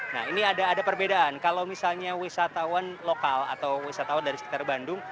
nah ini ada perbedaan kalau misalnya wisatawan lokal atau wisatawan dari sekitar bandung